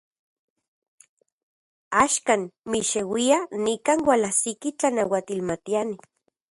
Axkan, mixeuia, nikan ualajsiki tlanauatilmatiani.